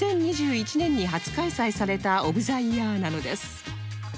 ２０２１年に初開催されたオブ・ザ・イヤーなのです